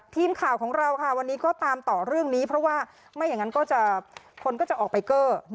ทีมข่าวของเราค่ะวันนี้ก็ตามต่อเรื่องนี้เพราะว่าไม่อย่างนั้นคนก็จะออกไปเกอร์